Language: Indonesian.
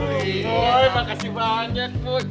wih makasih banyak boy